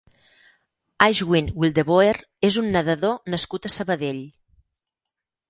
Aschwin Wildeboer és un nedador nascut a Sabadell.